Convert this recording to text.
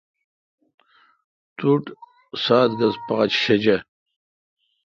تو ٹھ سات گز پاچ شجہ۔